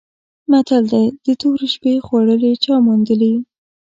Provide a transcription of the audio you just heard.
متل دی: د تورې شپې خوړلي چا موندلي؟